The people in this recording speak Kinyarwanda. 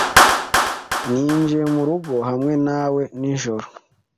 Ninjiye mu rugo hamwe nawe nijoro.